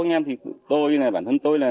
anh em thì tôi là bản thân tôi là